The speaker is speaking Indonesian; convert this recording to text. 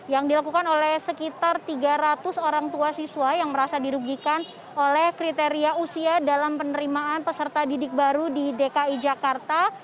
yang dilakukan oleh sekitar tiga ratus orang tua siswa yang merasa dirugikan oleh kriteria usia dalam penerimaan peserta didik baru di dki jakarta